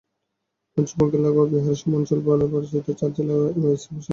পশ্চিমবঙ্গের লাগোয়া বিহারের সীমাঞ্চল বলে পরিচিত চার জেলা নিয়ে ওয়াইসি বেশি আগ্রহী।